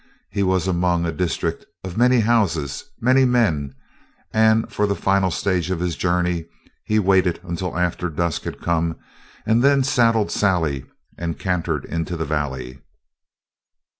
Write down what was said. He was among a district of many houses, many men, and, for the final stage of his journey, he waited until after dusk had come and then saddled Sally and cantered into the valley.